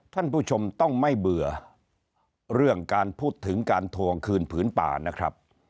ท่านผู้ชมต้องไม่เบื่อเรื่องการพูดถึงการทวงคืนผืนป่านะครับ